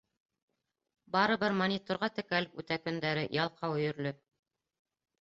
Барыбер мониторға текәлеп үтә көндәре, ялҡау өйөрлө.